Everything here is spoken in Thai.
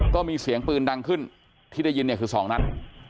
ก็มีเสียงปืนดังขึ้นที่ได้ยินเนี่ยคือ๒นัด